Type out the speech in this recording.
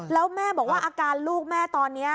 แล้วแม่บอกว่าอาการลูกแม่ตอนนี้